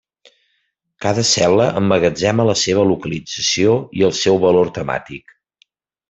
Cada cel·la emmagatzema la seva localització i el seu valor temàtic.